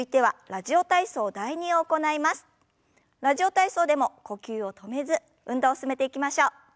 「ラジオ体操」でも呼吸を止めず運動を進めていきましょう。